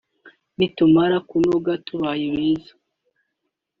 nitumara kunoga tubaye beza